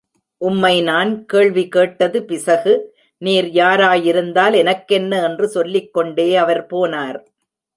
உம்மை நான் கேள்வி கேட்டது பிசகு, நீர் யாராயிருந்தால் எனக்கென்ன என்று சொல்லிக்கொண்டே அவர் போனார்.